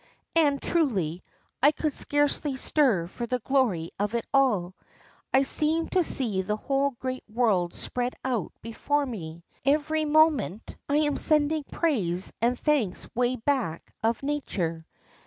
And, truly, I could scarcely stir for the glory of it all ! I seem to see the whole great world spread out before me. Every moment I am sending praise and thanks way back of nature.